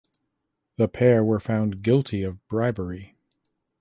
The pair were found guilty of bribery.